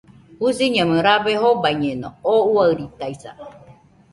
Jusiñamui rabe jobaiñeno, oo uairitaisa